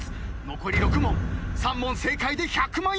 残り６問３問正解で１００万円！